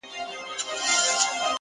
هوښیار انسان د اورېدو هنر لري